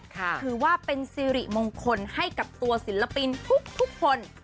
ถือว่าเป็นสิริมงคลให้กับตัวศิลปินทุกคน